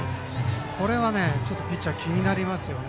これは、ちょっとピッチャー気になりますよね